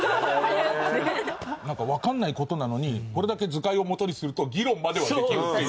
なんかわからない事なのにこれだけ図解をもとにすると議論まではできるっていう。